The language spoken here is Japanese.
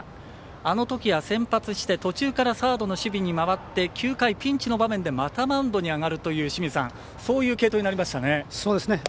あのときは先発して途中からサードに回って９回ピンチの場面でまたマウンドに上がるというそういう継投になりましたね。